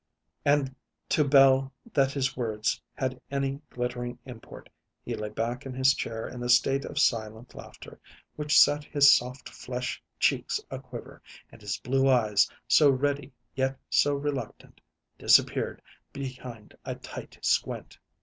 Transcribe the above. And, to belie that his words had any glittering import, he lay back in his chair in a state of silent laughter, which set his soft fleshed cheeks aquiver; and his blue eyes, so ready yet so reluctant, disappeared behind a tight squint.